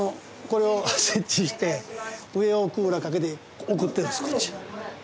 これを設置して上をクーラーかけて送ってんですこっちへ。